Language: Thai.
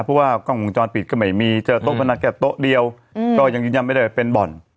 เพราะว่ากล้องวงจรปิดก็ไม่มีเจอโต๊ะพนักแค่โต๊ะเดียวก็ยังยืนยันไม่ได้ว่าเป็นบ่อน